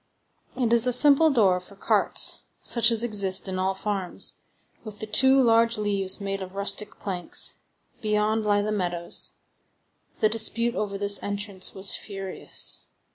It is a simple door for carts, such as exist in all farms, with the two large leaves made of rustic planks: beyond lie the meadows. The dispute over this entrance was furious.